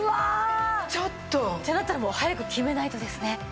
ちょっと！ってなったらもう早く決めないとですね。